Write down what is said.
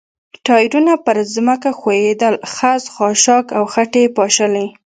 ټایرونه پر ځمکه ښویېدل، خس، خاشاک او خټې یې پاشلې.